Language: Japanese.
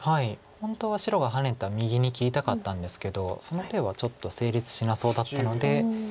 本当は白がハネた右に切りたかったんですけどその手はちょっと成立しなそうだったので。